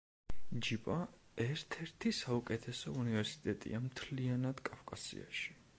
ჯიპა ერთ-ერთი საუკეთესო უნივერსიტეტია მთლიანად კავკასიაში